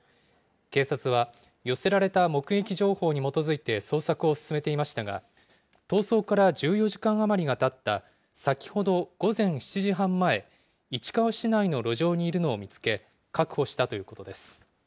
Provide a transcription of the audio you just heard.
警察は、寄せられた目撃情報に基づいて捜索を進めていましたが、逃走から１４時間余りがたった、先ほど午前７時半前、市川市内の路上にいるのを見つけ、確保したということです。